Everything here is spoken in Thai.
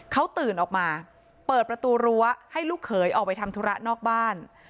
เขาตื่นออกมาเปิดประตูรั้วให้ลูกเขยออกไปทำธุระนอกบ้าน